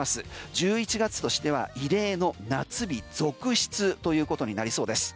１１月としては異例の夏日続出ということになりそうです。